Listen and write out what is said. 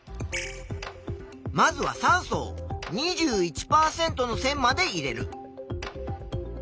まずは酸素を２１％の線まで入れる。